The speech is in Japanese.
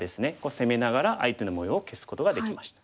攻めながら相手の模様を消すことができました。